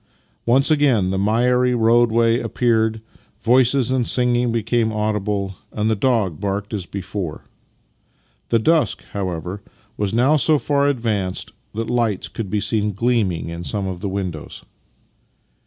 Once again the miry roadway appeared, voices and singing became audible, and the dog barked as before. The dusk, however, was now so far ad vanced that lights could be seen gleaming in some of the windows.